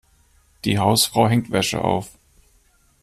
Die Hausfrau hängt Wäsche auf.